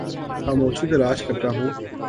خاموشی تلاش کرتا ہوں